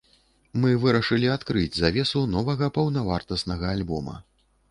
Мы вырашылі адкрыць завесу новага паўнавартаснага альбома.